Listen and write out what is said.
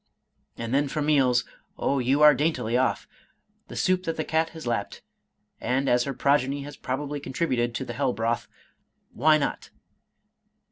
— ^And then for meals — Oh you are daintily off! — The soup that the cat has lapped; and (as her progeny has probably contributed to the hell broth) why not?